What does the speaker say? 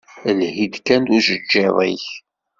Lhi-d, kan d ujeǧǧiḍ-ik!